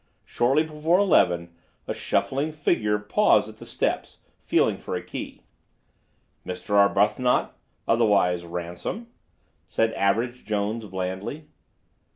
Shortly before eleven a shuffling figure paused at the steps, feeling for a key. "Mr. Arbuthnot, otherwise Ransom?" said Average Jones blandly.